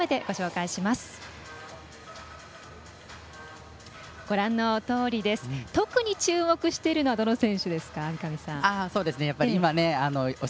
三上さんが特に注目しているのはどの選手ですか？